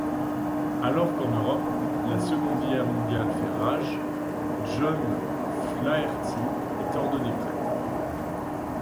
Alors qu'en Europe la Seconde Guerre mondiale fait rage, John Flaherty est ordonné prêtre.